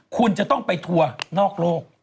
คุณจะต้องไปทัวร์นอกโลก